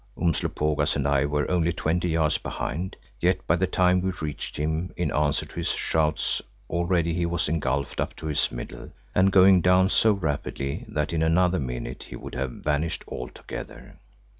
Umslopogaas and I were only twenty yards behind, yet by the time we reached him in answer to his shouts, already he was engulfed up to his middle and going down so rapidly that in another minute he would have vanished altogether.